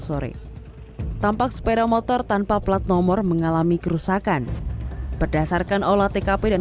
sore tampak sepeda motor tanpa plat nomor mengalami kerusakan berdasarkan olah tkp dan